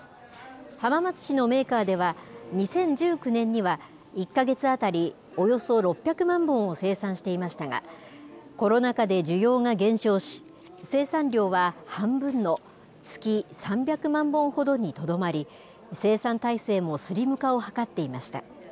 浜松市のメーカーでは、２０１９年には１か月当たりおよそ６００万本を生産していましたが、コロナ禍で需要が減少し、生産量は半分の月３００万本ほどにとどまり、生産体制もスリム化を図っていました。